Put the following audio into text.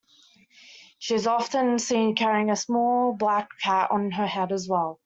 She is often seen carrying a small, black cat on her head as well.